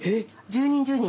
⁉１０人１０人？